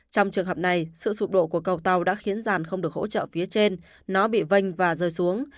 trong trường hợp này sự sụp đổ của cầu tàu đã khiến giàn không được hỗ trợ phía trên nó bị vanh và rơi xuống